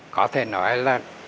có thể nói là